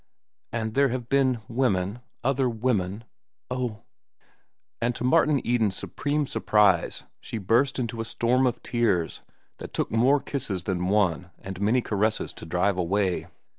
"And there have been women—other women—oh!" And to Martin Eden's supreme surprise, she burst into a storm of tears that took more kisses than one and many caresses to drive away.